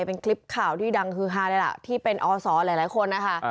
เป็นคลิปข่าวที่ดังฮือฮาเลยล่ะที่เป็นอศหลายคนนะคะ